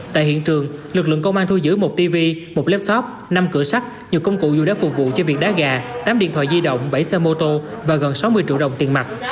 tại hiện trường lực lượng công an thu giữ một tv một laptop năm cửa sắt nhiều công cụ dù đã phục vụ cho việc đá gà tám điện thoại di động bảy xe mô tô và gần sáu mươi triệu đồng tiền mặt